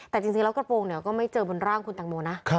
แต่จริงแล้วกระโปรงเนี่ยก็ไม่เจอบนร่างคุณแตงโมนะ